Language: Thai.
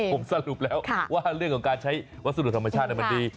ผมสรุปแล้วว่าเรื่องของการใช้วัสดุธรรมชาติมันดี